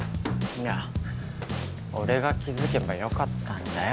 いや俺が気づけばよかったんだよ。